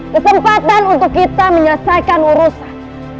kesempatan untuk kita menyelesaikan urusan